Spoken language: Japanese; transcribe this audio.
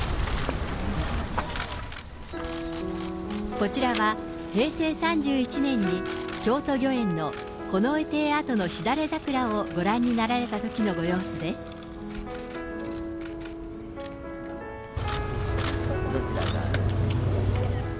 こちらは、平成３１年に京都御苑の近衛邸跡のしだれ桜をご覧になられたときどちらからですか？